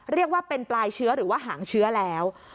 เรียกว่าเป็นปลายเชื้อหรือว่าหางเชื้อแล้ว